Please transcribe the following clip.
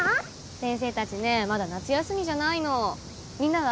先生達ねまだ夏休みじゃないのみんなは？